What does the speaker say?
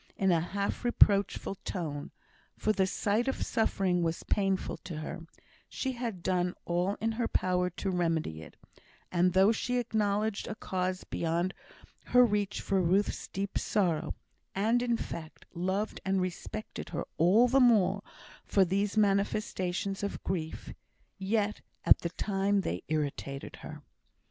in a half reproachful tone, for the sight of suffering was painful to her; she had done all in her power to remedy it; and, though she acknowledged a cause beyond her reach for Ruth's deep sorrow, and, in fact, loved and respected her all the more for these manifestations of grief, yet at the time they irritated her.